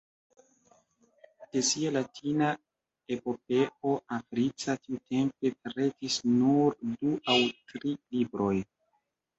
De sia Latina epopeo Africa tiutempe pretis nur du aŭ tri libroj.